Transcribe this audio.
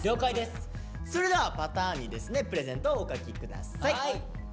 それではパターンにですねプレゼントをお書き下さい。